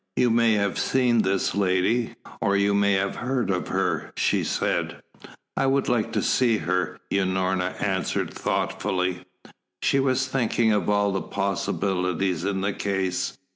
"You may have seen this lady, or you may have heard of her," she said. "I would like to see her," Unorna answered thoughtfully. She was thinking of all the possibilities in the case.